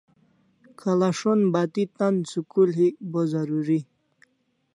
Kalashon bati tan school hik bo zaruri